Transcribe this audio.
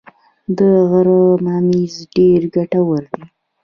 د غره ممیز ډیر ګټور دي